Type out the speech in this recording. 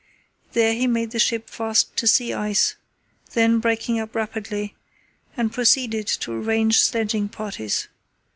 There he made the ship fast to sea ice, then breaking up rapidly, and proceeded to arrange sledging parties.